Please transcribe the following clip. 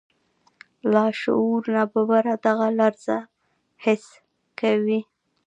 لاشعور ناببره دغه لړزه حس کوي.